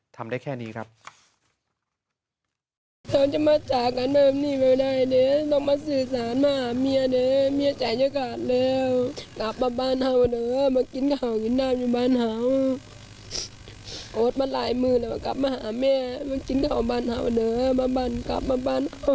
ทำได้แค่นี้ครับ